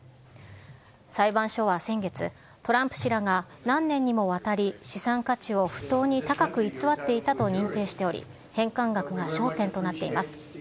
裁判所は先月、トランプ氏らが何年にもわたり資産価値を不当に高く偽っていたと認定しており、返還額が焦点となっています。